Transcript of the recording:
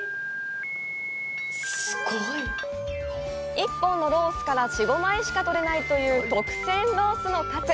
１本のロースから、４５枚しか取れないという特選ロースのかつ。